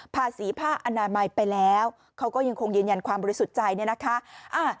ภาษีผ้าอนามัยไปแล้วเขาก็ยังคงยืนยันความบริสุทธิ์ใจเนี่ยนะคะ